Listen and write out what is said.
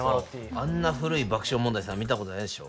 あんな古い爆笑問題さん見たことないでしょ。